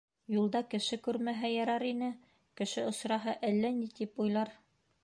Юлда кеше күрмәһә ярар ине, кеше осраһа, әллә ни тип уйлар.